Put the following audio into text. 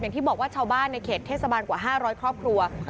อย่างที่บอกว่าชาวบ้านในเขตเทศบาลกว่า๕๐๐ครอบครัว